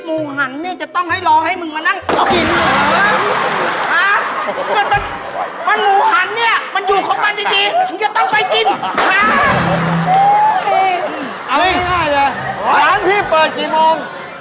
มึงจะต้องไปกินฮะอันนี้ง่ายเดี๋ยวร้านพี่เปิดกี่โมง